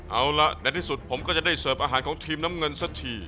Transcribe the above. เอาละในที่สุดผมก็จะได้เสิร์ฟอาหารของทีมน้ำเงินสักที